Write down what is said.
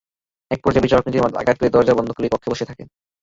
একপর্যায়ে বিচারক নিজের মাথায় আঘাত করে দরজা বন্ধ করে কক্ষে বসে থাকেন।